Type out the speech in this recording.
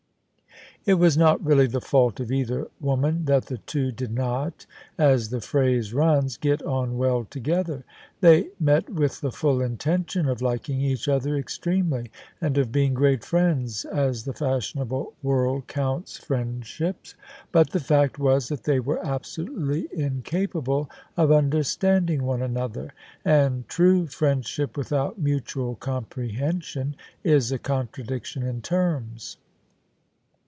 It was not really the fault of either woman that the two did not, as the phrase runs, get on well together: they met with the full intention of liking each other extremely, and of being great friends as the fashionable world counts friend THE SUBJECTION OF ISABEL CARNABY ship: but the fact was that they were absolutely incapable of understanding one another: and true friendship without mutual comprehension is a contradiction in terms.